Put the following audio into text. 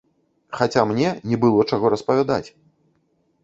Хаця мне не было, чаго распавядаць!